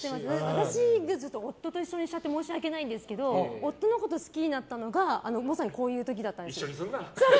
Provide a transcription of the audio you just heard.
私、夫と一緒にしちゃって申し訳ないんですけど夫のことを好きになったのがまさにこういう時だったんですよ。